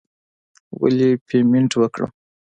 ولې پیمنټ وکړم.